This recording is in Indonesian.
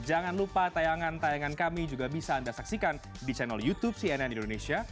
jangan lupa tayangan tayangan kami juga bisa anda saksikan di channel youtube cnn indonesia